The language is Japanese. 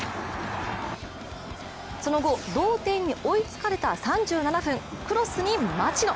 その後、同点に追いつかれた３７分、クロスに町野。